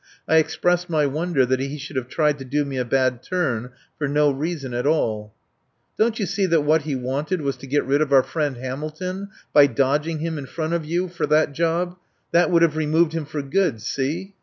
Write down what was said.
I expressed my wonder that he should have tried to do me a bad turn for no reason at all. "Don't you see that what he wanted was to get rid of our friend Hamilton by dodging him in front of you for that job? That would have removed him for good. See?"